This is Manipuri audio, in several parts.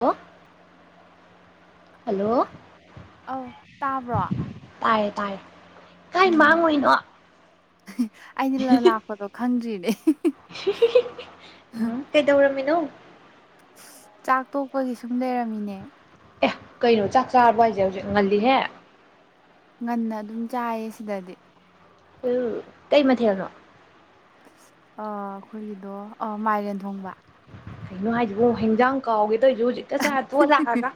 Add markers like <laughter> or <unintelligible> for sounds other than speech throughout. ꯑꯣ ꯑ ꯑꯧ ꯇꯥꯕ꯭ꯔꯣ ꯇꯥꯏꯌꯦ ꯇꯥꯏꯌꯦ ꯎꯝ ꯑꯩꯗꯤ ꯂꯥꯛꯄꯗꯣ ꯈꯪꯗ꯭ꯔꯤꯅꯦ ꯎꯝ ꯀꯩꯗꯧꯔꯝꯃꯤꯅꯣ ꯆꯥꯛ ꯇꯣꯛꯄꯒꯤ ꯁꯨꯝ ꯂꯩꯔꯝꯃꯤꯅꯦ ꯑꯦ ꯀꯩꯅꯣ ꯆꯥꯛ ꯆꯥꯔꯕ ꯍꯥꯏꯁꯦ ꯍꯧꯖꯤꯛ ꯉꯜꯂꯤꯍꯦ ꯉꯟꯅ ꯑꯗꯨꯝ ꯆꯥꯏꯌꯦ ꯁꯤꯗꯗꯤ ꯑꯗꯨ ꯀꯩ ꯃꯊꯦꯜꯅꯣ ꯑ ꯑꯩꯈꯣꯏꯒꯤꯗꯣ ꯑ ꯃꯥꯏꯔꯦꯟ ꯊꯣꯡꯕ ꯀꯩꯅꯣ ꯍꯥꯏꯁꯤꯕꯣ ꯍꯤꯟꯖꯥꯡ ꯀꯥꯎꯒꯦ ꯇꯧꯔꯤꯁꯨ ꯍꯧꯖꯤꯛ ꯇꯁ ꯍꯥꯊ ꯋꯥ ꯂꯒ ꯀ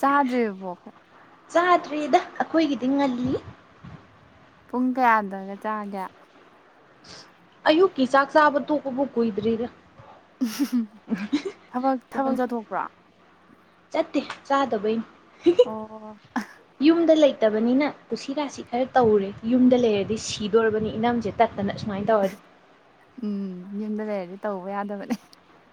ꯆꯥꯗ꯭ꯔꯤꯕꯕꯣ ꯆꯥꯗ꯭ꯔꯦꯗ ꯑꯩꯈꯣꯏꯒꯤꯗꯤ ꯉꯜꯂꯤ ꯄꯨꯡ ꯀꯌꯥꯗꯒ ꯆꯥꯒꯦ ꯑꯌꯨꯛ ꯀ ꯆꯥꯛ ꯆꯥꯕꯗꯨ ꯀꯕꯨ ꯀꯨꯏꯗ꯭ꯔꯤꯔ ꯎ ꯆꯠꯇ ꯆꯥꯗ ꯑꯣ ꯌꯨꯝꯗ ꯂꯩꯇꯕꯅꯤꯅ ꯇꯨꯁꯤꯔꯥꯁꯤ ꯁꯤ ꯈꯔ ꯇꯧꯔꯦ ꯌꯨꯝꯗ ꯂꯩꯔꯗꯤ ꯁꯤꯗꯣꯔꯔꯕꯅꯤ ꯏꯅꯝꯁꯦ ꯇꯠꯇꯅ ꯁꯨꯃꯥꯏꯅ ꯇꯧꯔꯗꯤ ꯎꯝ ꯌꯨꯝꯗ ꯂꯩꯔꯗꯤ ꯇꯧꯕ ꯌꯥꯗꯕꯅꯦ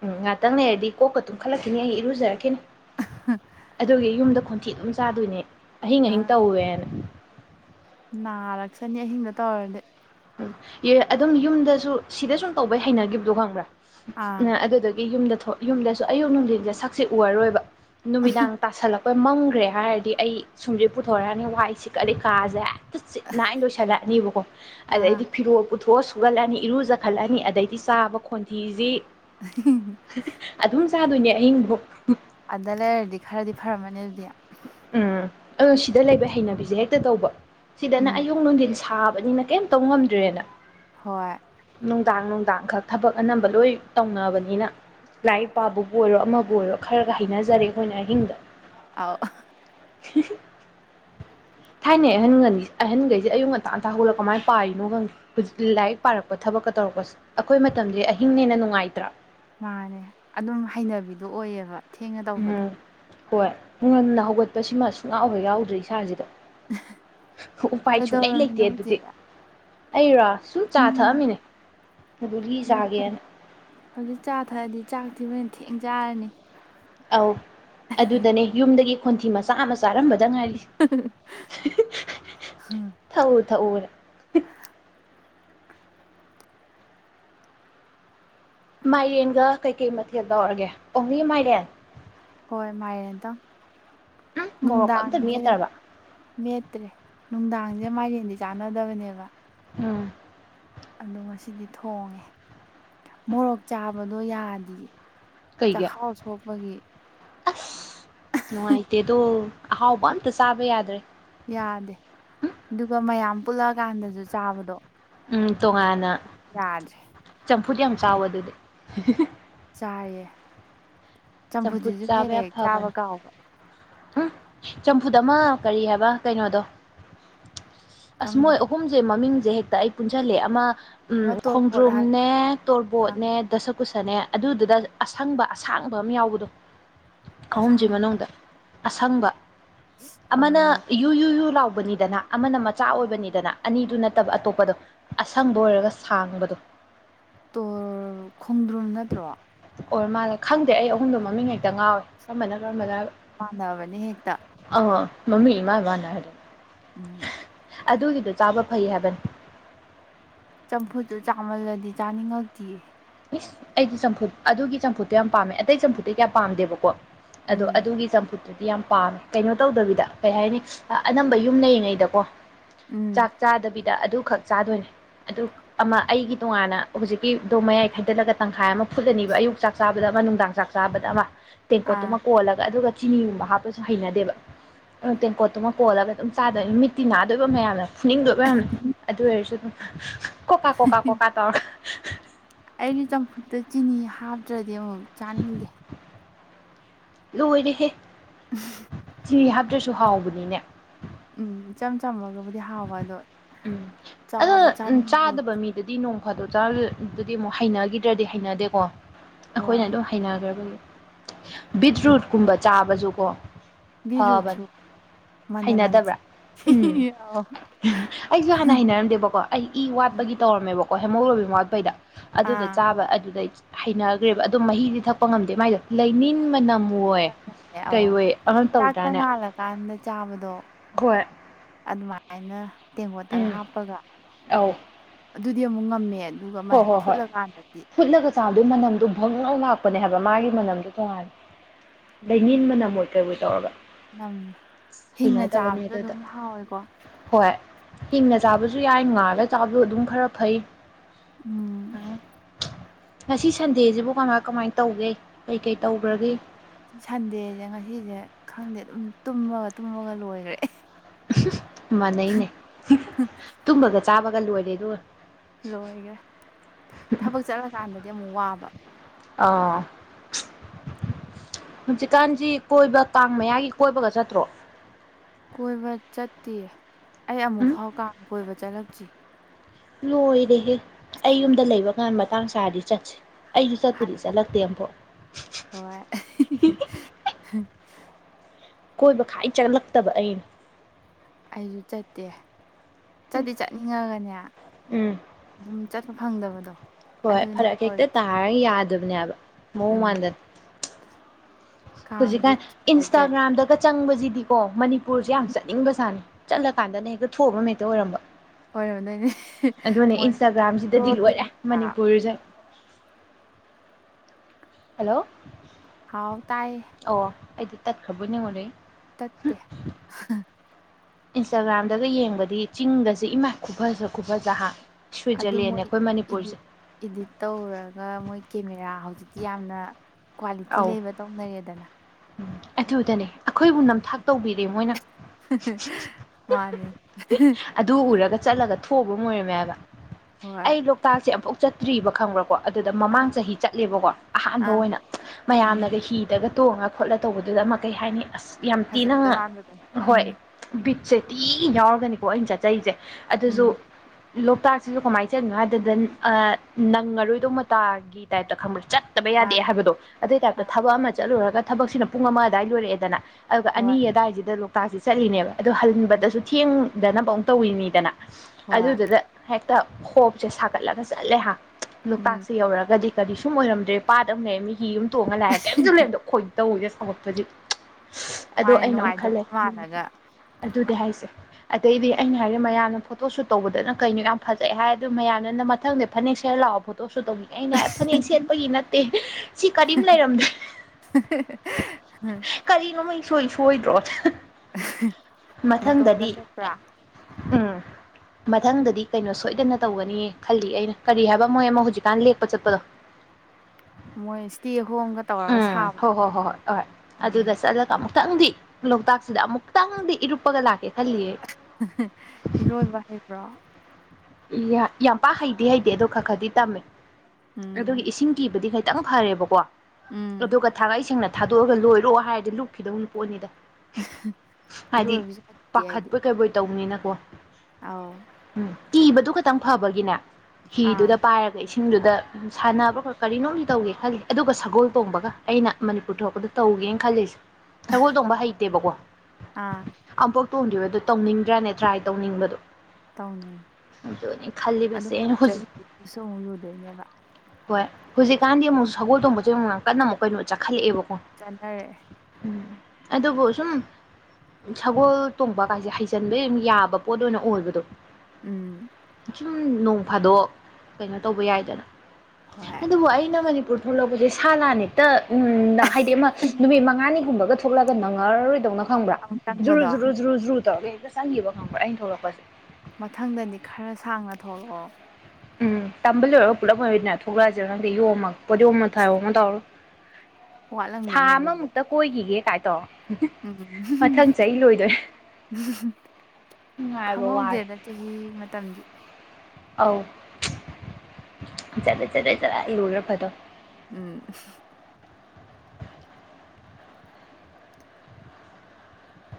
ꯎꯝ ꯉꯥꯏꯥꯛꯇꯪ ꯂꯩꯔꯗꯤ ꯀꯣꯛꯀ ꯑꯗꯨꯨꯝ ꯈꯜꯂꯛꯈꯤꯅꯤ ꯑꯩ ꯏꯔꯨꯖꯔꯛꯈꯤꯅꯦ ꯎ ꯑꯗꯨꯒꯤ ꯌꯨꯝꯗ ꯈꯣꯟꯊꯤ ꯑꯗꯨꯝ ꯆꯥꯗꯣꯏꯅꯦ ꯑꯍꯤꯡ ꯑ ꯑꯍꯤꯡ ꯇꯧꯋꯦꯅ ꯅꯥꯔꯛꯁꯅꯤ ꯑꯍꯤꯡꯗ ꯇꯧꯔꯗꯤ ꯎꯝ ꯑꯗꯨꯝ ꯌꯨꯝꯗꯁꯨ ꯁꯤꯗ ꯁꯨꯝ ꯇꯧꯕꯩ ꯍꯩꯅꯈꯤꯕꯗꯣ ꯈꯪꯕ꯭ꯔꯥ ꯑꯥ ꯑꯗꯨꯗꯒꯤ ꯌꯨꯝꯗ ꯌꯨꯝꯗꯁꯨ ꯑꯌꯨꯛ ꯅꯨꯡꯊꯤꯟꯁꯦ ꯁꯛꯁꯦ ꯎꯔꯔꯣꯏꯕ ꯅꯨꯃꯤꯗꯥꯡ ꯇꯥꯁꯜꯂꯛꯄ ꯃꯝꯈ꯭ꯔꯦ ꯍꯥꯏꯔꯗꯤ ꯑꯩ ꯁꯨꯝꯁꯦ ꯄꯨꯊꯣꯔꯛꯑꯅꯤ ꯋꯥꯏ ꯁꯤꯛꯗꯤ ꯀꯥꯁꯦ ꯍ ꯆꯤꯠ ꯅꯥ ꯍꯥꯏꯅ ꯂꯣꯏꯁꯜꯂꯛꯑꯅꯦꯕꯀꯣ ꯑꯥ ꯑꯗꯩꯗꯤ ꯐꯤꯔꯣꯜ ꯄꯨꯊꯣꯛꯑ ꯁꯨꯒꯠꯂꯅꯤ ꯏꯔꯨꯖꯈꯠꯂꯅꯤ ꯑꯗꯩꯗꯤ ꯆꯥꯕ ꯈꯣꯟꯊꯤꯁꯤ <inaudible> ꯑꯗꯨꯝ ꯆꯥꯗꯣꯏꯅꯦ ꯑꯍꯤꯡꯕꯣꯛ ꯑꯗꯂꯦꯗꯤ ꯈꯥꯔꯥꯗꯤ ꯐꯥꯔꯥ ꯃꯅꯦ ꯑꯗꯨꯗꯤ ꯎꯝ ꯑ ꯁꯤꯗ ꯂꯩꯕ ꯍꯩꯅꯕꯤꯁꯦ ꯍꯦꯛꯇ ꯇꯧꯕ ꯁꯤꯗꯅ ꯎꯝ ꯑꯌꯨꯛ ꯅꯨꯡꯊꯤꯟ ꯁꯥꯕꯅꯤꯅ ꯀꯩꯝ ꯇꯧꯕ ꯉꯝꯗ꯭ꯔꯦꯅ ꯍꯣꯏ ꯅꯨꯡꯗꯥꯡ ꯅꯨꯡꯗꯥꯡꯈꯛ ꯊꯕꯛ ꯑꯅꯝꯕ ꯂꯣꯏ ꯇꯧꯅꯕꯅꯤꯅ ꯂꯥꯏꯔꯤꯛ ꯄꯥꯕꯕꯨ ꯑꯣꯏꯔꯣ ꯑꯃꯕꯨ ꯑꯣꯏꯔꯣ ꯈꯔꯒ ꯍꯩꯅꯖꯔꯦ ꯑꯩꯈꯣꯏꯅ ꯑꯍꯤꯡꯗ ꯑꯥꯎ <unintelligible> ꯊꯥꯏꯅꯩ ꯑꯍꯟꯒꯅꯤꯁꯤ ꯑꯍꯟꯈꯩꯁꯦ ꯑꯌꯨꯛ ꯉꯟ ꯇꯥ ꯍꯧꯒꯠꯂ ꯀꯃꯥꯏ ꯄꯥꯏꯔꯤꯅꯣ ꯈꯪꯗꯦ ꯍꯧꯖꯤꯛꯇꯤ ꯂꯥꯏꯔꯤꯛ ꯄꯥꯔꯛꯄ ꯊꯕꯛꯀ ꯇꯧꯔꯛꯄꯁꯦ ꯑꯩꯈꯣꯏ ꯃꯇꯝꯁꯦ ꯑꯍꯤꯡ ꯍꯦꯟꯅ ꯅꯨꯡꯉꯥꯏꯇ꯭ꯔꯥ ꯃꯥꯅꯦ ꯑꯗꯨꯝ ꯍꯩꯅꯕꯤꯗꯣ ꯑꯣꯏꯌꯦꯕ ꯊꯦꯡꯅ ꯇꯧꯕꯗꯣ ꯎꯝ ꯍꯣꯏ ꯉꯟꯅ ꯍꯧꯒꯠꯄꯁꯤꯃ ꯁꯨꯡ ꯋꯥꯎ ꯍꯦꯛ ꯌꯥꯎꯗ꯭ꯔꯦ ꯏꯁꯥꯁꯤꯗ ꯎꯄꯥꯏ ꯁꯨꯡꯂꯩ ꯂꯩꯇꯦ ꯀꯩꯗꯧꯔꯝꯃꯤꯅꯣ ꯑꯗꯨꯗꯤ ꯍꯧꯖꯤꯛ ꯑꯩꯔꯥ ꯁꯨꯝ ꯆꯥ ꯎꯝ ꯊꯛꯑꯝꯃꯤꯅꯦ ꯒꯨꯂꯤ ꯆꯥꯒꯦꯅ ꯍꯧꯖꯤꯛ ꯆꯥ ꯊꯛꯑꯗꯤ ꯆꯥꯛꯇꯤ ꯍꫭꯔꯦꯟ ꯊꯦꯡ ꯆꯥꯔꯅꯤ ꯑꯧ ꯑꯗꯨꯗꯅꯦ ꯌꯨꯝꯗꯒꯤ ꯈꯣꯟꯊꯤ ꯃꯆꯥ ꯃꯆꯥ ꯆꯥꯔꯝꯕꯗ ꯉꯥꯏꯔꯤ ꯊꯛꯎ ꯊꯛꯎꯅ ꯃꯥꯏꯔꯦꯟꯒ ꯀꯩꯀꯩ ꯃꯊꯦꯜ ꯇꯧꯔꯒꯦ ꯑꯣꯡꯂꯤ ꯃꯥꯏꯔꯦꯟ ꯍꯣꯏ ꯃꯥꯏꯔꯦꯟ ꯇꯪ ꯎꯝ ꯃꯣꯔꯣꯛꯀ ꯑꯝꯇ ꯅꯨꯡꯗꯥꯡꯖꯦ ꯃꯦꯠꯇ꯭ꯔꯕ ꯃꯦꯠꯇ꯭ꯔꯦ ꯅꯨꯡꯗꯥꯡꯖꯦ ꯃꯥꯏꯔꯦꯟꯗꯤ ꯆꯥꯟꯅꯗꯕꯅꯦꯕ ꯎꯝ ꯑꯗꯣ ꯉꯁꯤꯗꯤ ꯊꯣꯡꯉꯦ ꯃꯣꯔꯣꯛ ꯆꯥꯕꯗꯣ ꯌꯥꯗꯤꯌꯦ ꯀꯩꯒꯤ ꯆꯈꯥꯎ ꯁꫭꯛꯄꯒꯤ ꯑꯁ ꯅꯨꯡꯉꯥꯏꯇꯦꯗꯣ ꯑꯍꯥꯎꯕ ꯑꯝꯇ ꯆꯥꯕ ꯌꯥꯗ꯭ꯔꯦ ꯌꯥꯗꯦ ꯎꯝ ꯑꯗꯨꯒ ꯃꯌꯥꯝ ꯄꯨꯜꯂꯛꯑꯀꯥꯟꯗꯁꯨ ꯆꯥꯕꯗꯣ ꯎꯝ ꯇꯣꯉꯥꯟꯅ ꯌꯥꯗ꯭ꯔꯦ ꯆꯝꯐꯨꯠ ꯌꯥꯝ ꯆꯥꯎꯑꫭ ꯑꯗꯨꯗꯤ ꯆꯥꯏꯌꯦ ꯆꯝꯐꯨꯠ ꯁꯤꯖꯨ ꯍꯦꯛ ꯆꯥꯕ ꯌꯥꯝ ꯍꯦꯛ ꯐꯕꯅꯦ ꯆꯥꯕ ꯀꯥꯎꯕ ꯎꯝ ꯆꯝꯐꯨꯠ ꯑꯃ ꯀꯔꯤ ꯍꯥꯏꯕ ꯀꯩꯅꯣꯗꯣ ꯑꯁ ꯃꯣꯏ ꯀꯔꯝꯕ ꯑꯍꯨꯝꯖꯦ ꯃꯃꯤꯡꯖꯦ ꯍꯦꯛꯇ ꯑꯩ ꯄꯨꯟꯁꯜꯂꯦ ꯑꯃ ꯎꯝ ꯃꯇꯣꯔꯄꯣꯠ ꯍꯥꯏ ꯈꯣꯡꯗ꯭ꯔꯨꯝꯅꯦ ꯇꯣꯔꯕꯣꯠꯅꯦ ꯗꯁꯀꯨꯁꯅꯦ ꯑꯗꯨꯗꯨꯗ ꯑꯁꯪꯕ ꯑꯁꯥꯡ ꯕ ꯑꯃ ꯌꯥꯎꯕꯗꯣ ꯑꯍꯨꯝꯁꯤ ꯑꯁꯥꯡꯕ ꯃꯅꯨꯡꯗ ꯑꯁꯪꯕ ꯑꯃꯅ ꯑꯥ ꯌꯨ ꯌꯨ ꯌꯨ ꯂꯥꯎꯕꯅꯤꯗꯅ ꯑꯃꯅ ꯃꯆꯥ ꯑꯣꯏꯕꯅꯤꯗꯅ ꯑꯅꯤꯗꯨ ꯅꯠꯇꯕ ꯑꯇꯣꯞꯄꯗꯣ ꯑꯁꯪꯕ ꯑꯣꯏꯔꯒ ꯁꯥꯡꯕꯗꯣ ꯇꯣꯔ ꯈꯣꯡꯗ꯭ꯔꯨꯨꯝ ꯅꯠꯇ꯭ꯔꯣ ꯑꯣꯏꯔ ꯃꯥꯜꯂꯦ ꯈꯪꯗꯦ ꯑꯩ ꯑꯍꯨꯝꯗꯣ ꯃꯃꯤꯡ ꯍꯦꯛꯇ ꯉꯥꯎꯋꯦ ꯀꯔꯝꯕꯅ ꯀꯔꯝꯕꯅ ꯃꯥꯟꯅꯕꯅꯦ ꯍꯦꯛꯇ ꯑ ꯃꯃꯤꯡ ꯏꯃꯥꯟ ꯃꯥꯟꯅꯔꯗꯅ ꯎꯝ ꯑꯗꯨꯒꯤꯗꯣ ꯆꯥꯕ ꯐꯩ ꯍꯥꯏꯕꯅꯤ ꯆꯝꯐꯨꯠꯇꯨ ꯆꯥꯝꯃꯜꯂꯗꯤ ꯆꯥꯅꯤꯡꯉꯛꯇꯤꯌꯦ ꯏꯁ ꯑꯩꯗꯤ ꯆꯝꯐꯨꯠ ꯑꯗꯨꯒꯤ ꯆꯝꯐꯨꯠꯇꯣ ꯌꯥꯝ ꯄꯥꯝꯃꯦ ꯑꯇꯩ ꯆꯝꯐꯨꯠꯇꯤ ꯀꯌꯥ ꯄꯥꯝꯗꯦꯕꯀꯣ ꯑꯗꯣ ꯎꯝ ꯑꯗꯨꯒꯤ ꯆꯝꯐꯨꯇ꯭ꯔ ꯌꯥꯝ ꯄꯥꯝꯃꯦ ꯀꯩꯅꯣ ꯇꯧꯗꯕꯤꯗ ꯀꯩ ꯍꯥꯏꯅꯤ ꯑꯅꯝꯕ ꯌꯨꯝ ꯂꯩꯔꯤꯉꯩꯗꯀꯣ ꯎꯝ ꯆꯥꯛ ꯆꯥꯗꯕꯤ ꯗ ꯑꯗꯨꯈꯛ ꯆꯥꯗꯣꯏꯅꯦ ꯑꯗꯨ ꯑꯃ ꯑꯩꯒꯤ ꯇꯣꯉꯥꯟꯅ ꯍꯧꯖꯤꯛꯀꯤ ꯗꯣ ꯃꯌꯥꯏ ꯈꯥꯏꯗꯠꯂꯒ ꯇꯪꯈꯥꯏ ꯑꯃ ꯐꯨꯠꯂꯅꯤꯕ ꯑꯌꯨꯛ ꯆꯥꯛ ꯆꯥꯕꯗ ꯑꯃ ꯅꯨꯡꯗꯥꯡ ꯆꯥꯛ ꯆꯥꯕꯗ ꯑꯃ ꯇꯦꯡꯀꯣꯠꯇꯨꯃ ꯑꯥ ꯀꯣꯜꯂꯒ ꯑꯗꯨꯒ ꯆꯤꯅꯤꯒꯨꯝꯕ ꯍꯥꯞꯄꯁꯨ ꯍꯩꯅꯗꯦꯕ ꯑꯗꯨ ꯇꯦꯡꯀꯣꯠꯇꯨꯃ ꯀꯣꯜꯂꯒ ꯑꯗꯨꯝ ꯆꯥꯗꯣꯏꯅꯤ ꯃꯤꯠꯇꯤ ꯅꯥꯗꯣꯏꯕ ꯃꯌꯥꯝꯅ ꯅꯤꯡꯗꯣꯏꯕ ꯌꯥꯝꯅ ꯑꯗꯨ ꯑꯣꯏꯔꯁꯨ ꯑꯗꯨꯝ ꯀꯣꯀꯥ ꯀꯣꯀꯥ ꯀꯣꯀꯥ ꯇꯧꯔꯒ ꯑꯩꯗꯤ ꯆꯝꯐꯨꯠꯇ ꯆꯤꯅꯤ ꯍꯥꯞꯇ꯭ꯔꯗꯤ ꯑꯃꯨꯛ ꯆꯥꯅꯤꯡꯗꯦ ꯂꯣꯏꯔꯦꯍꯦ ꯆꯤꯅꯤ ꯍꯥꯞꯇ꯭ꯔꯁꯨ ꯍꯥꯎꯕꯅꯤꯅꯦ ꯎꯝ ꯏꯆꯝ ꯆꯝꯃꯒꯕꯨꯗꯤ ꯍꯥꯎꯕ ꯑꯗꯣ ꯎꯝ ꯆꯥꯕ ꯑꯗꯣ ꯎꯝ ꯆꯥꯅꯤꯡꯕ ꯆꯥꯗꯕ ꯃꯤ ꯗꯗꯤ ꯅꯣꯡ ꯐꯥꯗꯣꯛ ꯆꯥ ꯑꯗꯨꯗꯤ ꯑꯃꯨꯛ ꯍꯩꯅꯈꯤꯗ꯭ꯔꯗꯤ ꯍꯩꯅꯗꯦꯀꯣ ꯑꯩꯈꯣꯏꯅ ꯍꯣꯏ ꯑꯗꯨꯝ ꯍꯩꯅꯈ꯭ꯔꯕꯒꯤ ꯃꯥ ꯕꯤꯠꯔꯨꯠ ꯀꯨꯝꯕ ꯆꯥꯕꯁꯨꯀꯣ ꯐꯕꯅꯤ ꯕꯤꯠꯔꯨꯠꯁꯨ ꯃꯅꯝ ꯅꯝꯊꯤ ꯍꯩꯅꯗꯕ꯭ꯔꯥ ꯎꯝ ꯑꯧ ꯁꯤꯁꯨ ꯍꯥꯟꯅ ꯍꯩꯅꯔꯝꯗꯦꯕꯀꯣ ꯑꯩ ꯏ ꯎꯝ ꯋꯥꯠꯄꯒꯤ ꯇꯧꯔꯝꯃꯦꯕꯀꯣ ꯍꯦꯃꯣꯒ꯭ꯂꯣꯕꯤꯝ ꯋꯥꯠꯄꯩꯗ ꯑꯗꯨꯗ ꯑꯥ ꯆꯥꯕ ꯑꯗꯨꯗꯩ ꯍꯩꯅꯈ꯭ꯔꯦꯕ ꯑꯗꯨꯣ ꯃꯍꯤꯗꯤ ꯊꯛꯄ ꯉꯝꯗꯦ ꯃꯥꯏꯗꯣ ꯂꯩꯅꯤꯡꯟ ꯃꯅꯝ ꯑꯣꯏ ꯦ ꯀꯩ ꯑꯧ ꯑꯣꯏ ꯑꯃ ꯆꯥꯛꯇ ꯇꯧꯗ꯭ꯔꯥꯅꯦ ꯉꯥꯜꯂꯀꯥꯟꯗ ꯆꯥꯕꯗꯣ ꯍꯣꯏ ꯑꯗꯨꯃꯥꯏꯅ ꯇꯦꯡꯀꯣꯠꯇꯒ ꯎꯝ ꯍꯥꯞꯄꯒ ꯑꯧ ꯑꯗꯨꯗꯤ ꯑꯃꯨꯛ ꯉꯝꯃꯦ ꯑꯗꯨꯒ ꯍꯣꯏ ꯍꯣꯏ ꯍꯣꯏ ꯐꯨꯠꯂꯀꯥꯟꯗꯗꯤ ꯐꯨꯠꯂꯒ ꯆꯥꯗ ꯃꯅꯝꯗꯣ ꯧꯂꯧ ꯂꯥꯛꯄꯅꯦ ꯍꯥꯏꯕ ꯃꯥꯒꯤ ꯃꯅꯝꯗꯣ ꯇꯣꯡꯉꯥꯟꯜꯂ ꯂꯩꯅꯤꯡꯟꯕ ꯅꯝꯃꯣꯏ ꯀꯩꯕꯨꯣꯏ ꯇꯧꯔꯒ ꯅꯝꯃꯦ ꯍꯤꯡꯅ ꯍꯩꯅꯗꯕꯅꯤ ꯆꯥꯕꯁꯨ ꯑꯗꯨꯗꯣ ꯑꯗꯨꯝ ꯍꯥꯎꯋꯦꯀꯣ ꯍꯣꯏ ꯍꯤꯡꯅ ꯆꯥꯕꯁꯨ ꯌꯥꯏ ꯉꯥꯒ ꯆꯥꯕꯗ ꯑꯗꯨꯝ ꯈꯔ ꯐꯩ ꯎꯝ ꯉꯁꯤ ꯁꯟꯗꯦꯁꯤꯕꯨ ꯀꯃꯥꯏ ꯀꯃꯥꯏꯅ ꯇꯧꯒꯦ ꯀꯩꯀꯩ ꯇꯧꯈ꯭ꯔꯒꯦ ꯁꯟꯗꯦꯁꯦ ꯉꯁꯤꯁꯦ ꯈꯪꯗꯦ ꯑꯗꯨꯝ ꯇꯨꯝꯃꯒ ꯇꯨꯝꯃꯒ ꯂꯣꯏꯈ꯭ꯔꯦ ꯃꯥꯟꯅꯩꯅꯦ ꯇꯨꯝꯕꯒ ꯆꯥꯕꯒ ꯂꯣꯏꯔꯦ ꯑꯗꯨꯒ ꯂꯣꯏꯈ꯭ꯔꯦ ꯊꯕꯛ ꯆꯠꯂꯀꯥꯟꯗꯗꯤ ꯑꯃꯨꯛ ꯋꯥꯕ ꯑ ꯍꯧꯖꯤꯛꯀꯥꯟꯁꯤ ꯀꯣꯏꯕ ꯀꯥꯡ ꯃꯌꯥꯒꯤ ꯀꯣꯏꯕꯒ ꯆꯠꯇ꯭ꯔꯣ ꯀꯣꯏꯕ ꯆꯠꯇꯦ ꯑꯩ ꯑꯃꯨꯛ ꯎꯝ ꯐꯥꯎ ꯀ ꯀꯣꯏꯕ ꯆꯠꯂꯛꯇ꯭ꯔꯤ ꯂꯣꯏꯔꯦꯍꯦ ꯑꯩ ꯌꯨꯝꯗ ꯂꯩꯕꯀꯥꯟ ꯃꯇꯥꯡ ꯆꯥꯗꯤ ꯆꯠꯁꯤ ꯑꯩꯁꯨ ꯆꯠꯄꯨꯗꯤ ꯆꯠꯂꯛꯇꯦ ꯑꯃꯨꯐꯣꯛ ꯑ ꯀꯣꯏꯕ ꯈꯥꯏ ꯆꯠꯂꯛꯇꯕ ꯑꯩꯅ ꯑꯩꯁꯨ ꯆꯠꯇꯦ ꯆꯤ ꯆꯠꯅꯤꯡꯉꯒꯅꯦ ꯎꯝ ꯑꯗꯨꯝ ꯆꯠꯄ ꯐꯪꯗꯕꯗꯣ ꯍꯣꯏ ꯑꯗꯨꯅꯦ ꯐꯔ ꯍꯦꯛꯇ ꯇꯧꯔꯤꯁꯦ ꯇꯥꯔꯒ ꯌꯥꯗꯕꯅꯦꯕ ꯃꯑꯣꯡ ꯎꯝ ꯃꯥꯟꯗꯅ ꯍꯧꯖꯤ ꯀ ꯀꯥꯡꯁꯨ ꯀꯨꯏꯁꯜꯂꯛꯇ꯭ꯔꯦ ꯏꯟꯁꯇꯥꯒ꯭ꯔꯥꯝꯗ ꯍꯦꯛꯇ ꯆꯪꯕꯁꯤꯗꯤꯀꯣ ꯃꯅꯤꯄꯨꯔꯁꯦ ꯌꯥꯝ ꯆꯠꯅꯤꯡꯕ ꯁꯥꯅꯤ ꯆꯠꯂꯀꯥꯟꯗꯅ ꯍꯦꯛꯇ ꯊꯣꯛꯑꯕ ꯍꯦꯛꯇ ꯑꯣꯏꯔꯝꯕ ꯑꯣꯏꯔꯣꯝꯗꯣꯏꯅꯦ ꯑꯗꯨꯅꯦ ꯃꯣꯏ ꯏꯟꯁꯇꯥꯒ꯭ꯔꯥꯝꯁꯤꯗꯗꯤ ꯂꯣꯏꯔꯦ ꯃꯅꯤꯄꯨꯔꯁꯦ ꯍꯜꯂꯣ ꯍꯥꯎ ꯇꯥꯏ ꯑꯣ ꯑꯩꯗꯤ ꯇꯠꯈꯕꯨ ꯅꯡꯉꯣꯅꯤ ꯇꯠꯇ ꯏꯟꯁꯇꯥꯒ꯭ꯔꯥꯝꯗꯒ ꯌꯦꯡꯕꯗꯤ ꯆꯤꯡꯗꯁ ꯏꯃꯥ ꯈꯨꯐ ꯈꯨꯐꯖꯥꯍ ꯑꯗꯨ ꯁ꯭ꯋꯤꯠꯖꯔꯂꯦꯟꯅꯦ ꯃꯣꯏ ꯑꯩꯈꯣꯏ ꯃꯅꯤꯄꯨꯔꯁꯦ ꯏꯗꯤꯠ ꯏꯗꯤꯠ ꯇꯧꯔꯒ ꯃꯣꯏ ꯀꯦꯃꯦꯔꯥ ꯍꯧꯖꯤꯛꯇꯤ ꯌꯥꯝꯅ ꯀ꯭ꯋꯥꯂꯤꯇꯤ ꯂꯩꯕ ꯇꯧꯅꯔꯦꯗꯅ ꯎꯝ ꯑꯗꯨ ꯑꯗꯨ ꯑꯣꯏꯗꯅꯦ ꯑꯩꯈꯣꯏꯕꯨ ꯅꯝꯊꯥꯛ ꯇꯧꯕꯤꯔꯦ ꯃꯣꯏꯅ ꯃꯥꯅꯦ ꯑꯗꯨ ꯎꯔꯒ ꯆꯠꯂꯒ ꯊꯣꯛꯕꯝ ꯑꯣꯏꯔꯝꯃꯦꯕ ꯍꯣꯏ ꯑꯩ ꯂꯣꯛꯇꯥꯛꯁꯦ ꯑꯃꯐꯧ ꯆꯠꯇ꯭ꯔꯤꯕ ꯈꯪꯕ꯭ꯔꯀꯣ ꯑꯗꯨꯗ ꯃꯃꯥꯡ ꯑꯥ ꯆꯍꯤ ꯆꯠꯂꯦꯕꯀꯣ ꯑꯍꯥꯟꯕ ꯑꯥ ꯑꯣꯏꯅ ꯎꯝ ꯃꯌꯥꯝꯅꯒ ꯍꯤꯗꯒ ꯇꯣꯡꯉꯒ ꯈꯣꯠꯂ ꯇꯧꯕꯗꯨꯗ ꯑꯃ ꯀꯩ ꯍꯥꯏꯅꯤ ꯑꯁ ꯌꯥꯝ ꯊꯤꯅ ꯐꯖꯗꯣꯏ ꯃꯥꯟꯕꯗꯣ ꯍꯣꯏ ꯎꯝ ꯕꯤꯠꯁꯦ ꯊꯤꯅ ꯌꯥꯎꯔꯒꯅꯤꯀꯣ ꯑꯩꯅ ꯆꯠꯆꯔꯤꯁꯦ ꯑꯗꯨꯁꯨ ꯎꯝ ꯂꯣꯛꯇꯥꯛꯁꯤꯁꯨ ꯀꯃꯥꯏꯅ ꯆꯪꯅꯗꯗ ꯅꯪꯉꯔꯣꯏꯗꯧ ꯃꯇꯥꯒꯤ ꯀꯤ ꯇꯥꯏ ꯇꯣ ꯈꯝꯔ ꯆꯠ ꯆꯠꯇꯕ ꯌꯥꯗꯦ ꯑꯥ ꯍꯥꯏꯕꯗꯣ ꯑꯗꯨꯏ ꯇꯥꯏꯞꯇ ꯑꯥ ꯊꯕꯛ ꯑꯃ ꯆꯠꯂꯨꯔꯒ ꯊꯕꯛꯁꯤꯅ ꯄꯨꯡ ꯑꯃ ꯑꯋꯥꯏ ꯂꯣꯏꯔꯛꯑꯦꯗꯅ ꯑꯗꯨꯒ ꯍꯣꯏ ꯑꯅꯤ ꯑꯋꯥꯏꯁꯤꯗ ꯂꯣꯛꯇꯥꯛꯁꯤꯦ ꯆꯠꯂꯤꯅꯦꯕ ꯑꯗꯣ ꯍꯟꯕꯗꯁꯨ ꯊꯦꯡ ꯗꯅꯕꯧ ꯇꯧꯋꯤꯅꯤꯗꯅ ꯍꯣꯏ ꯑꯗꯨꯗꯨꯗ ꯍꯦꯛꯇ ꯍꯣꯞꯁꯦ ꯁꯥꯒꯠꯂꯒ ꯆꯠꯂꯦ ꯍꯥ ꯎꯝ ꯂꯣꯛꯇꯥꯛꯁꯦ ꯌꯧꯔꯒꯗꯤ ꯀꯔꯤ ꯁꯨꯝ ꯑꯣꯏꯔꯝꯗ꯭ꯔꯦ ꯄꯥꯠ ꯑꯃ ꯂꯩꯔꯝ ꯃꯤ ꯍꯤ ꯑꯃ ꯇꯣꯡꯉꯒ ꯂꯥꯛꯑꯦ ꯀꯔꯤꯝꯁꯨ ꯂꯩꯔꯝꯗꯣ ꯈꯣꯏ ꯇꯧꯔꯦ ꯆꯥꯎꯈꯠꯄꯗꯤ ꯃꯥꯅꯦ ꯅꯨꯡꯉꯥꯏꯗꯧ ꯃꯥꯜꯂꯒ ꯑꯗꯨꯗꯤ ꯍꯥꯏꯁꯦ ꯑꯗꯇꯩꯗꯤ ꯑꯩꯅ ꯍꯥꯏꯔꯦ ꯃꯌꯥꯝꯅ ꯐꯣꯇꯣ ꯁꯨꯠ ꯇꯧꯕꯗꯅ ꯀꯩꯅꯣ ꯌꯥꯝ ꯐꯖꯩ ꯍꯥꯏ ꯑꯗꯨ ꯃꯌꯥꯝꯅꯅ ꯃꯊꯪꯗꯤ ꯐꯅꯦꯛ ꯁꯦꯔ ꯂꯥꯛꯑꯣꯣꯣ ꯇꯣꯁꯨ ꯇꯧꯤ ꯑꯩꯅ ꯐꯅꯦꯛ ꯁꯦꯠꯄꯒꯤ ꯅꯠꯇꯦ ꯁꯤ ꯀꯔꯤꯝ ꯂꯩꯔꯝꯗꯦ ꯍꯥꯝ ꯀꯔꯤꯅꯣꯃꯩ ꯁꯣꯏꯗ꯭ꯔꯣ ꯅꯇꯣꯝꯗ ꯃꯊꯪꯗꯗꯤ ꯆꯠꯄ꯭ꯔꯥ ꯎꯝ ꯃꯊꯪꯗꯗꯤ ꯀꯩꯅꯣ ꯁꯣꯏꯗꯅ ꯇꯧꯒꯅꯤ ꯈꯜꯂꯤ ꯑꯩꯅ ꯀꯔꯤ ꯍꯥꯏꯕ ꯃꯣꯏ ꯑꯃ ꯍꯧꯖꯤꯛꯀꯥꯟ ꯂꯦꯛꯄ ꯆꯠꯄꯗꯣ ꯃꯣꯏ ꯏꯁꯇꯔꯤ ꯑꯈꯣ ꯑꯣ ꯎꯝ ꯍꯣ ꯍꯣꯏ ꯍꯣꯏ ꯍꯣꯏ ꯍꯣꯏ ꯑꯗꯨꯗ ꯎꯝ ꯆꯠꯂꯒ ꯑꯃꯨꯛꯇꯪꯗꯤ ꯂꯣꯛꯇꯥꯛꯁꯤꯗ ꯑꯃꯨꯛꯇꯪꯗꯤ ꯏꯔꯨꯞꯄꯒ ꯂꯥꯛꯀꯦ ꯈꯜꯂꯤꯌꯦ ꯏꯔꯣꯏꯕ ꯍꯩꯕ꯭ꯔꯣ ꯌꯥꯝ ꯄꯥꯛ ꯍꯩꯗꯤ ꯍꯩꯇꯦ ꯑꯣ ꯈꯔ ꯈꯔꯗꯤ ꯇꯝꯃꯦ ꯑꯗꯨꯒꯤ ꯎꯝ ꯏꯁꯤꯡ ꯀꯤꯕꯗꯤ ꯈ ꯈꯤꯇꯪ ꯐꯔꯦꯕꯀꯣ ꯎꯝ ꯑꯗꯨꯒ ꯊꯥꯒꯩ ꯁꯦꯡꯅ ꯊꯥꯗꯣꯛꯑꯒ ꯂꯣꯏꯔꯣ ꯍꯥꯏꯔꯗꯤ ꯂꯨꯞꯈꯤꯗꯧꯅ ꯄꯣꯠꯅꯤꯗ ꯍꯥꯏꯗꯤ ꯏꯔꯣꯏꯕꯁꯨ ꯍꯩꯇꯦ ꯄꯥꯈꯠꯄꯣꯏ ꯀꯕꯣꯏ ꯇꯧꯕꯅꯤꯅꯀꯣ ꯑꯥꯎ ꯎꯝ ꯀꯤꯕꯗꯨ ꯈꯇꯪ ꯐꯕꯒꯤꯅꯦ ꯍꯤꯗꯨꯗ ꯑꯥ ꯄꯥꯏꯔꯒ ꯑ ꯏꯁꯤꯡꯗꯨꯗ ꯁꯥꯟꯅꯕ ꯈ ꯀꯔꯤꯅꯣꯝꯗꯤ ꯇꯧꯒꯦ ꯈꯜꯂꯤꯦ ꯑꯗꯨꯒ ꯁꯒꯣꯜ ꯇꯣꯡꯕꯒ ꯑꯩꯅ ꯃꯅꯤꯄꯨꯔ ꯊꯣꯛꯛꯄꯗ ꯇꯧꯒꯦꯅ ꯈꯜꯂꯤꯁꯦ ꯁꯒꯣꯜ ꯇꯣꯡꯕ ꯍꯩꯇꯦꯕꯀꯣ ꯑꯥ ꯑꯝꯄꯣꯛ ꯇꯣꯡꯗ꯭ꯈꯤꯕꯗꯣ ꯇꯧꯅꯤꯡꯗ꯭ꯔꯅꯦ ꯇ꯭ꯔꯥꯏ ꯇꯧꯅꯤꯡꯕꯗꯣ ꯇꯧꯅꯤꯡꯉꯤ ꯑꯗꯨꯅꯦ ꯑꯗꯨ ꯈꯜꯂꯤꯕꯁꯦ ꯑꯩꯅ ꯍꯧꯖꯤꯛ ꯐꯩꯇ꯭ꯔꯩ ꯑꯗꯨꯁꯨ ꯑꯃꯨꯛ ꯂꯨꯗꯣꯏꯅꯦꯕ ꯍꯣꯏ ꯍꯧꯖꯤꯛꯀꯥꯟꯗꯤ ꯑꯃꯨꯛꯁꯨ ꯁꯒꯣꯜ ꯇꯣꯕꯁꯦ ꯑꯃꯨꯛ ꯌꯥꯝ ꯀꯟꯅ ꯑꯃꯨꯛ ꯀꯩꯅꯣ ꯆꯠꯈꯠꯂꯛꯑꯦꯕꯀꯣ ꯆꯠꯊꯔꯛꯑꯦ ꯎꯝ ꯑꯗꯨꯗꯣꯕꯨ ꯁꯨꯝ ꯁꯒꯣꯜ ꯇꯣꯡꯕ ꯀꯥꯏꯁꯦ ꯍꯩꯖꯟꯕ ꯌꯥꯝ ꯌꯥꯕ ꯄꯣꯠ ꯑꯣꯏꯅ ꯑꯣꯏꯕꯗꯣ ꯎꯝ ꯁꯨꯝ ꯅꯣꯡ ꯐꯥꯗꯣꯛ ꯀꯩꯅꯣ ꯇꯧꯕ ꯌꯥꯏꯗꯅ ꯍꯣꯏ ꯑꯗꯨꯕꯨ ꯑꯩꯅ ꯃꯅꯤꯄꯨꯔ ꯂꯧꯕꯁꯦ ꯁꯥ ꯂꯥꯅꯤꯛꯇ ꯎ ꯍꯥꯏꯗꯤ ꯑꯃ ꯅꯨꯃꯤꯠ ꯃꯉꯥꯅꯤꯒꯨꯝꯕꯒ ꯊꯣꯛꯂꯛꯒ ꯅꯪꯉꯔꯣꯏꯗꯧꯅ ꯈꯪꯕ꯭ꯔꯥ ꯑꯃꯨꯛ ꯖꯨꯔꯨ ꯆꯪꯕꯗꯣ ꯖꯨꯔꯨ ꯖꯨꯔꯨ ꯖꯨꯔꯨ ꯇꯧꯔꯒ ꯍꯦꯛꯇ ꯆꯪꯈꯤꯕ ꯈꯪꯕ꯭ꯔꯥ ꯑꯩꯅ ꯊꯣꯛꯂꯛꯄꯁꯦ ꯃꯊꯪꯗꯗꯤ ꯈꯔ ꯁꯥꯡꯅ ꯊꯣꯛꯂꯛꯑꯣ ꯎꯝ ꯇꯥꯝꯕꯜ ꯂꯣꯏꯔꯒ ꯄꯨꯂꯞ ꯑꯣꯏꯔꯅꯤꯅ ꯊꯣꯛꯂꯛꯑꯦ ꯅꯪꯗꯤ ꯌꯣꯝꯒ ꯄꯣꯗꯤꯣꯝꯅ ꯊꯥꯏꯔꯣ ꯑꯃ ꯇꯧꯔꯣ ꯊꯥ ꯋꯥꯠꯂꯝꯒꯅꯤ ꯑꯗꯨꯗꯤ ꯑꯃꯃꯨꯛꯇ ꯀꯣꯏꯈꯤꯒꯦ ꯀꯥꯏꯗꯣ ꯎꯝ ꯎ ꯉꯥꯏꯕ ꯋꯥꯔꯦ ꯈꯪꯍꯧꯗꯦꯗ ꯆꯍꯤ ꯃꯇꯝꯗꯤ ꯑꯧ ꯆꯂꯦ ꯆꯠꯦ ꯆꯠꯂꯦ ꯑꯩꯔꯣꯏꯔꯄꯗꯣ ꯎꯝ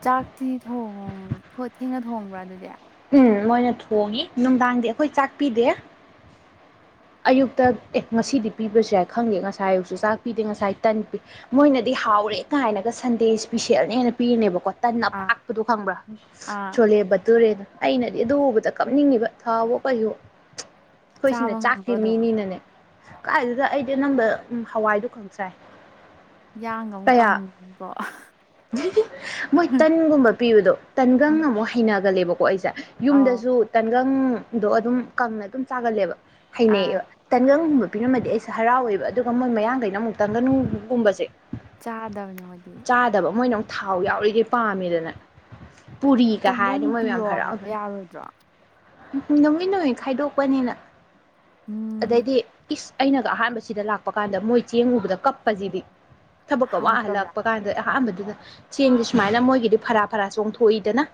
ꯆꯥꯛꯇꯤ ꯊꯣꯡ ꯊꯣꯠ ꯊꯦꯡꯉ ꯊꯣꯡꯕ꯭ꯔꯥ ꯑꯗꯨꯗꯤ ꯎꯝ ꯃꯣꯏꯅ ꯊꯣꯡꯉꯤ ꯅꯨꯡꯗꯥꯡꯗꯤ ꯑꯩꯈꯣꯏ ꯆꯥꯛꯄꯤꯗꯦ ꯑꯌꯨꯛꯇ ꯑꯦ ꯉꯁꯤꯗꯤ ꯄꯤꯕꯁꯨ ꯌꯥꯏ ꯈꯪꯗꯦ ꯉꯁꯥꯏ ꯑꯌꯨꯛꯁꯨ ꯆꯥꯛ ꯄꯤꯗꯦ ꯉꯁꯥꯏ ꯇꯟ ꯄꯤ ꯃꯣꯏꯅꯗꯤ ꯍꯥꯎꯔꯦ ꯀꯥꯏꯅꯒ ꯁꯟꯗꯦ ꯏꯁꯄꯤꯁꯦꯜꯅ ꯍꯦꯟꯅ ꯄꯤꯔꯅꯦꯕꯀꯣ ꯇꯟꯅ ꯑꯥ ꯑꯄꯥꯛꯄꯗꯣ ꯈꯪꯕ꯭ꯔꯥ ꯑꯥ ꯁꯣꯜꯂꯦꯕ ꯇꯨꯔꯦꯅ ꯑꯩꯅꯗꯤ ꯑꯗꯨ ꯎꯕꯗ ꯀꯞꯅꯤꯡꯉꯤꯕ ꯊꯋꯥꯕꯣꯛ ꯀꯩꯁꯨ ꯑꯩꯈꯣꯏꯁꯤꯅ ꯆꯥꯕ ꯆꯥꯛ ꯉꯝꯕ꯭ꯔꯣ ꯑꯗꯨꯝ ꯅꯦ ꯀꯥꯏꯗꯨꯗ ꯑꯩꯗꯤ ꯅꯪꯗ ꯍꯋꯥꯏꯗꯨꯣ ꯈꯪꯆꯥꯏ ꯌꯥꯡꯒ ꯑꯃꯨꯛ ꯀꯪꯕꯣ ꯃꯣꯏ ꯇꯟꯒꯨꯝꯕ ꯄꯤꯕꯗꯣ ꯇꯟꯒꯪ ꯎꯝ ꯑꯃꯨꯛ ꯍꯩꯅꯒꯜꯂꯦꯕꯀꯣ ꯑꯩꯁꯦ ꯑꯧ ꯌꯨꯝꯗꯁꯨ ꯇꯟꯒꯪꯗꯣ ꯑꯗꯨꯝ ꯀꯪꯅ ꯑꯗꯨꯝ ꯆꯥꯒꯜꯂꯦꯕ ꯑꯥ ꯍꯩꯅꯩꯌꯦꯕ ꯇꯟꯒꯪꯒꯨꯝꯕ ꯄꯤꯔꯝꯃꯗꯤ ꯑꯩꯁꯦ ꯍꯔꯥꯎꯋꯦꯕ ꯑꯗꯨꯒ ꯃꯣꯏ ꯃꯌꯥꯝꯡꯈꯩꯅ ꯑꯃꯨꯛ ꯇꯟꯒꯟꯒꯨꯝꯕꯁꯦ ꯆꯥꯗꯕꯅꯦ ꯃꯣꯏꯗꯤ ꯆꯥꯗꯕ ꯃꯣꯏꯅ ꯑꯃꯨꯛ ꯊꯥꯎ ꯌꯥꯎꯔꯤꯒꯦ ꯄꯥꯝꯃꯦꯗꯅ ꯄꯨꯔꯤꯒ ꯇꯪꯗꯪ ꯍꯥꯏꯔꯗꯤ ꯃꯣꯏ ꯃꯌꯥꯝ ꯄꯤꯌꯣ ꯐꯔꯛꯑ ꯍꯥꯏꯕ ꯑꯗꯨꯅꯤ ꯌꯥꯔꯣꯏꯗ꯭ꯔꯣ ꯎ ꯅꯨꯃꯤꯠ ꯍ ꯈꯥꯏꯗꯣꯛꯄꯅꯤꯅ ꯎꯝ ꯑꯗꯩꯗꯤ ꯏꯁ ꯑꯩꯅꯒ ꯑꯍꯥꯟꯕꯁꯤꯗ ꯂꯥꯛꯄ ꯀꯥꯟꯗ ꯃꯣꯏ ꯆꯦꯡꯉꯨꯕꯗ ꯀꯞꯄꯁꯤꯗꯤ ꯊꯕꯛꯀ ꯍꯥꯎꯇꯕ꯭ꯔꯥ ꯋꯥꯍꯜꯂꯛꯄ ꯀꯥꯟꯗ ꯑꯍꯥꯟꯕꯗꯨꯗ ꯆꯦꯡꯁ ꯁꯨꯃꯥꯏꯅ ꯃꯣꯏꯒꯤꯗꯤ ꯐꯔꯥ ꯐꯔꯥ ꯆꯣꯡꯊꯣꯛꯏꯗꯅ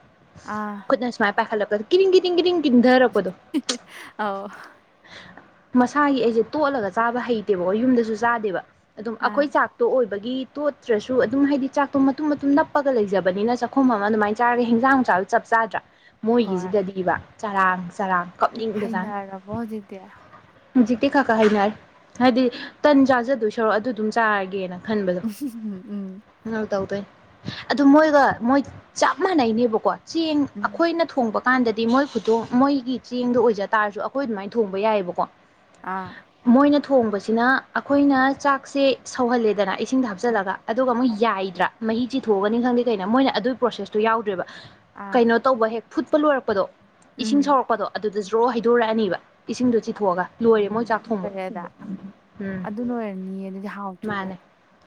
ꯑꯥ ꯈꯨꯗꯅ ꯁꯃꯥꯏ ꯄꯥꯏꯈꯂ ꯀ ꯀ ꯀꯙꯔꯛ ꯀꯣꯗꯣ ꯑ ꯃꯁꯥꯒꯤ ꯑꯩꯁꯦ ꯇꯣꯠꯂꯒ ꯆꯥꯕ ꯍꯩꯇꯦꯕꯀꯣ ꯌꯨꯝꯗꯁꯨ ꯆꯥꯗꯦꯕ ꯑꯗꯨꯝ ꯑꯥ ꯑꯩꯈꯣꯏ ꯆꯥꯛ ꯇꯣꯑꯣ ꯑꯣꯏꯕꯒꯤ ꯇꯣꯠꯇ꯭ꯔꯁꯨ ꯑꯗꯨꯝ ꯍꯥꯏꯗꯤ ꯆꯥꯛꯇꯣ ꯃꯇꯨꯝ ꯃꯇꯨꯝ ꯅꯞꯄꯒ ꯂꯩꯖꯕꯅꯤꯅ ꯆꯥꯛꯈꯨꯝ ꯑꯃ ꯑꯗꯨꯃꯥꯏꯅ ꯆꯥꯔꯒ ꯍꯦꯟꯖꯥꯡ ꯅꯨꯡꯆꯥꯡ ꯆꯞ ꯆꯥꯗ꯭ꯔꯥ ꯍꯣꯏ ꯃꯣꯏꯒꯤꯁꯤꯗꯗꯤꯕ ꯆꯔꯥꯡ ꯆꯔꯥꯡ ꯀꯞꯅꯤꯡꯕꯖꯥꯠꯅꯤ ꯍꯅꯔꯕꯣ ꯍꯧꯖꯤꯛꯇꯤ ꯍꯧꯖꯤꯛꯇꯤ ꯈꯔ ꯈꯥ ꯍꯩꯅꯔꯦ ꯍꯥꯏꯗꯤ ꯇꯟ ꯆꯥꯖꯗꯣꯏ ꯁꯔꯣ ꯑꯗꯨ ꯑꯗꯨꯝ ꯆꯥꯔꯒꯦꯅ ꯈꯟꯕꯗꯣ ꯎꯝ ꯎꯝ ꯀꯧ ꯇꯧꯗꯣꯏꯅꯦ ꯑꯗꯨ ꯃꯣꯏꯒ ꯃꯣꯏ ꯆꯞ ꯃꯥꯟꯅꯩꯅꯦꯕꯀꯣ ꯆꯦꯡ ꯎꯝ ꯑꯩꯈꯣꯏꯅ ꯊꯣꯡꯕ ꯀꯥꯟꯗꯗꯤ ꯃꯣꯏ ꯈꯨꯗꯣ ꯃꯣꯏꯒꯤ ꯆꯦꯡꯗꯣ ꯑꯣꯏꯖ ꯇꯥꯔꯁꯨ ꯑꯩꯈꯣꯏ ꯑꯗꯨꯃꯥꯏꯅ ꯊꯣꯡꯕ ꯌꯥꯏꯑꯕꯀꯣ ꯑꯥ ꯃꯣꯏꯅ ꯊꯣꯡꯕꯁꯤꯅ ꯑꯩꯈꯣꯏꯅ ꯆꯥꯛꯁꯦ ꯁꯧꯍꯜꯂꯦꯗꯅ ꯏꯁꯤꯡꯗ ꯎꯝ ꯍꯥꯞꯆꯤꯜꯂꯒ ꯑꯗꯨꯒ ꯑꯃꯨꯛ ꯌꯥꯏꯗ꯭ꯔꯥ ꯃꯍꯤ ꯆꯤꯊꯣꯛꯑꯒꯅꯤ ꯈꯪꯗꯦ ꯀꯩꯅꯣ ꯃꯣꯏꯅ ꯑꯗꯨꯒꯤ ꯄ꯭ꯔꯣꯁꯦꯁꯇꯨ ꯌꯥꯎꯗ꯭ꯔꯦꯕ ꯑꯥ ꯀꯩꯅꯣ ꯇꯧꯕ ꯍꯦꯛ ꯐꯨꯠꯄ ꯂꯣꯏꯔꯛꯄꯗꯣ ꯏꯁꯤꯡ ꯎꯝ ꯁꯧꯔꯛꯄꯗꯣ ꯑꯗꯨꯗ ꯔꯣ ꯍꯩꯗꯣꯔꯛꯑꯅꯤꯕ ꯏꯁꯤꯡꯗꯣ ꯆꯤꯊꯣꯛꯑꯒ ꯂꯣꯏꯔꯦ ꯃꯣꯏ ꯆꯥꯛ ꯊꯣꯡꯕ ꯐꯔꯦꯗ ꯎꯝ ꯑꯗꯨꯅ ꯑꯣꯏꯔꯅꯤꯌꯦ ꯑꯗꯨꯗꯤ ꯍꯥꯎꯇ꯭ꯔꯤꯗꯣ ꯃꯥꯅꯦ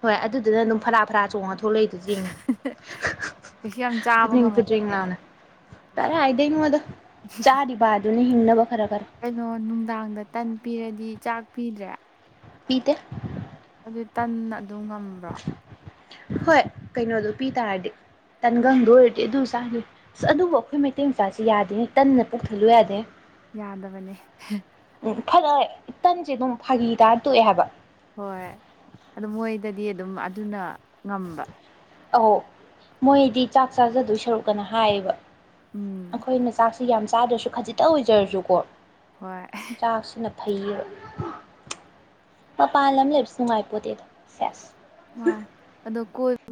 ꯍꯣꯏ ꯑꯗꯨꯗꯨꯅ ꯑꯗꯨꯝ ꯐꯔꯥ ꯐꯔꯥ ꯆꯣꯡꯉ ꯊꯣꯛꯂꯛꯏꯗꯨ ꯆꯡꯉ ꯀꯩꯁꯨ ꯌꯥꯝ ꯑ ꯆꯥꯕ ꯉꯝꯃꯝꯃꯣꯏ ꯇꯠꯇꯔꯤꯉ ꯑꯗꯨ ꯅꯅ ꯇꯔꯦ ꯍꯥꯏꯗꯩ ꯑꯩꯉꯣꯟꯗ ꯆꯥꯔꯤꯕ ꯑꯗꯨꯅ ꯍꯤꯡꯅꯕ ꯈꯔ ꯈꯔ ꯀꯩꯅꯣ ꯅꯨꯡꯗꯥꯡꯗ ꯇꯟ ꯄꯤꯔꯗꯤ ꯆꯥꯛ ꯄꯤꯗ꯭ꯔꯦ ꯄꯤꯗ ꯑꯗꯨ ꯇꯟꯅ ꯑꯗꯨ ꯉꯝꯃꯦ ꯍꯣꯏ ꯀꯩꯅꯣꯗꯣ ꯄꯤ ꯇꯥꯔꯗꯤ ꯇꯟꯒꯪꯗꯣ ꯑꯣꯏꯔꯗꯤ ꯑꯗꯨꯝ ꯆꯥꯅꯤ ꯑꯁ ꯑꯗꯨꯕꯨ ꯑꯩꯈꯣꯏ ꯃꯩꯇꯩ ꯃꯆꯥꯁꯤ ꯌꯥꯗꯦꯅꯤ ꯇꯟꯅ ꯄꯨꯣꯛꯊꯜꯂꯨ ꯌꯥꯗꯦ ꯌꯥꯗꯕꯅꯦ ꯎꯝ ꯐꯔꯥ ꯇꯟꯁꯦ ꯑꯗꯨꯝ ꯐꯥꯒꯤ ꯇꯥꯔ ꯇꯣꯛꯑꯦ ꯍꯥꯏꯕ ꯍꯣꯏ ꯑꯗꯨ ꯃꯣꯏꯗꯗꯤ ꯑꯗꯨꯝ ꯑꯗꯨꯅ ꯉꯝꯕ ꯑꯧ ꯃꯣꯏꯗꯤ ꯆꯥꯛ ꯆꯥꯖꯗꯣꯏ ꯁꯔꯨꯛꯀꯅ ꯍꯥꯏꯌꯦꯕ ꯎꯝ ꯑꯩꯈꯣꯏꯅ ꯆꯥꯛ ꯁꯤ ꯌꯥꯝ ꯆꯥꯗ꯭ꯔꯁꯨ ꯈꯖꯤꯛꯇ ꯑꯣꯏꯖꯔꯁꯨꯀꯣ ꯍꯣꯏ ꯆꯥꯛꯁꯤꯅ ꯐꯩꯌꯦꯕ ꯃꯄꯥꯟ ꯑꯃ ꯂꯩꯕꯁ‌ꯦ ꯅꯨꯡꯉꯥꯏꯄꯣꯠꯇꯦꯗ‌ꯣ ꯁ‌ꯦꯖ ꯃꯥꯟ ꯑꯗꯣ ꯀꯣꯏ